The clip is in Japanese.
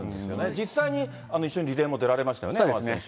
実際に一緒にリレーも出られましたよね、山縣選手。